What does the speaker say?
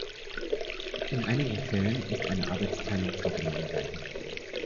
In einigen Fällen ist eine Arbeitsteilung vorgenommen worden.